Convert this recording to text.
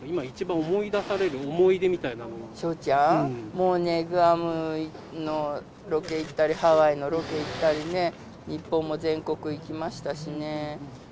もうね、グアムのロケ行ったり、ハワイのロケ行ったりね、日本も全国行きましたしね。